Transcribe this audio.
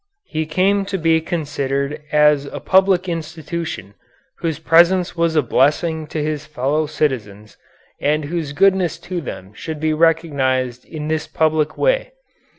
He came to be considered as a public institution, whose presence was a blessing to his fellow citizens, and whose goodness to them should be recognized in this public way.